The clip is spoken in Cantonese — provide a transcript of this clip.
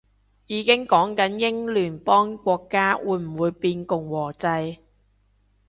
已經講緊英聯邦國家會唔會變共和制